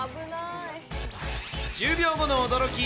１０秒後の驚き！